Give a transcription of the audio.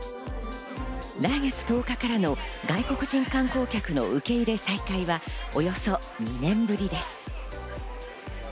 来月１０日からの外国人観光客の受け入れ再開はおよそ２年ぶりです。